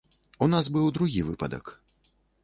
У нас быў другі выпадак.